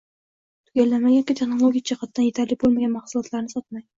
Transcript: Tugallanmagan yoki texnologik jihatdan etarli bo'lmagan mahsulotlarni sotmang